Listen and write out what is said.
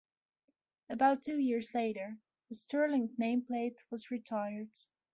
About two years later, the Sterling nameplate was retired.